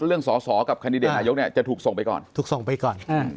เรื่องสอสอกับแคนดิเดตนายกเนี่ยจะถูกส่งไปก่อนถูกส่งไปก่อน